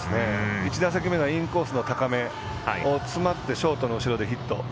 １打席目のインコースの高め詰まってショートの後ろでヒット。